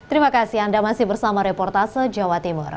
terima kasih anda masih bersama reportase jawa timur